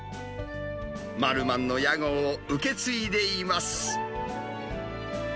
マルマンの屋号を受け継いでいます。